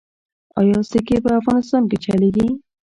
آیا سکې په افغانستان کې چلیږي؟